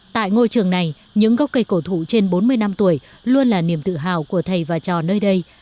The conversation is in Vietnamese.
tại ngôi trường này những gốc cây cổ thụ trên bốn mươi năm tuổi luôn là niềm tự hào của thầy và trò nơi đây